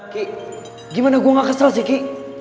ki gimana gue gak kesel sih ki